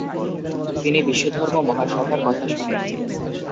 তিনি বিশ্বধর্ম মহাসভার কথা শোনেন।